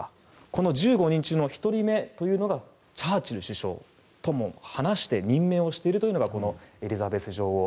この１５人中の１人目チャーチル首相とも話して任命をしているというのがエリザベス女王。